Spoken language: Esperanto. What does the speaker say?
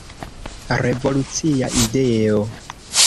Revolucia ideo.